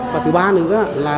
và thứ ba nữa là